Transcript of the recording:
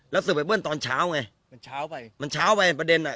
แล้วสืบไปเบิ้ลตอนเช้าไงมันเช้าไปมันเช้าไปประเด็นอ่ะ